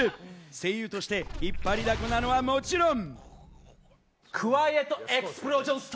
声優として引っ張りだこなのはもちろん。